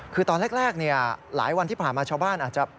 คือตอนแรกเนี่ยหลายวันที่ผ่านมาชาวบ้านอาจจะ